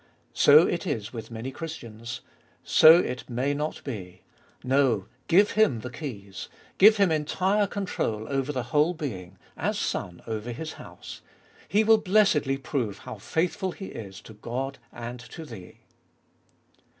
So it is with many Christians. So It may not be. No, glue Him the keys ; glue Him entire control over the whole being : as Son over His house. He will blessedly prove how faithful He is to God and to thee.